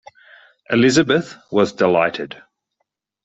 Elizabeth was delighted.